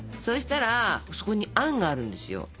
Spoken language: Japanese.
そしたらそこにあんがあるんですよ。